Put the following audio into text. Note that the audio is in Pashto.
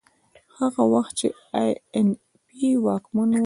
هغه وخت چې اي این پي واکمن و.